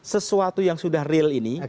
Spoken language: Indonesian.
sesuatu yang sudah real ini